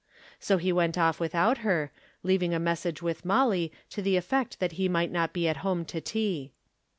So he went off without her, leaving a message with Mollie to the effect that he might not be at home to tea.